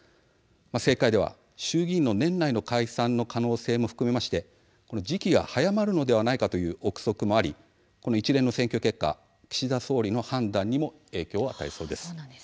政界では衆議院の年内の解散の可能性も含めて利益が早まるのではないかという臆測もあり一連の選挙結果は岸田総理の判断にも影響を与えそうです。